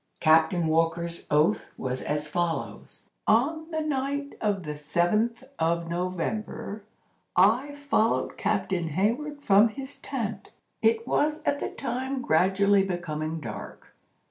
Captain Walker's oath was as follows: "On the night of the seventh of November, I followed Captain Hayward from his tent. It was at the time gradually becoming dark.